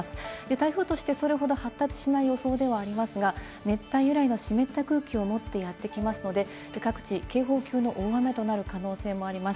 台風としてそれほど発達しない予想ではありますが、熱帯由来の湿った空気を持ってやってきますので、各地警報級の大雨となる可能性もあります。